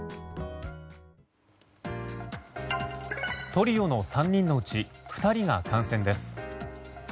トリオの３人のうち２人が感染です。